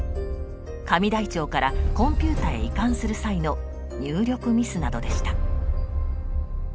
紙台帳からコンピュータへ移管する際の入力ミスなどでした。